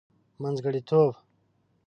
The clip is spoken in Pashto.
منځګړتوب.